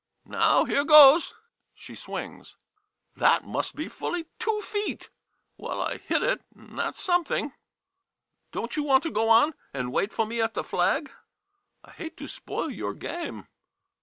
Now, here goes! [She swings.] That must be fully two feet! Well, I hit it, and that's something. [Anxiously.] Don't you want to go on, and wait for me at the flag? I hate to spoil your game.